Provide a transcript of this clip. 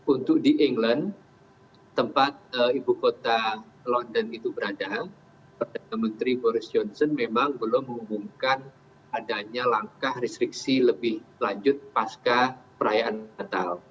untuk di england tempat ibu kota london itu berada perdana menteri boris johnson memang belum mengumumkan adanya langkah restriksi lebih lanjut pasca perayaan natal